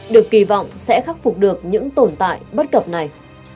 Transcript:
được kỳ vọng sẽ khắc phục được những tồn tại bất cập này